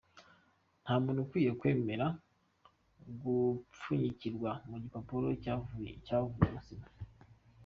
Nta muntu ukwiye kwemera gupfunyikirwa mu gipapuro cyavuyemo sima”.